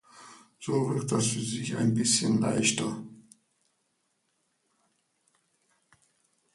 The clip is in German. So wird das für Sie ein bisschen leichter.